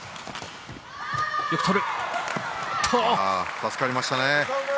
助かりましたね。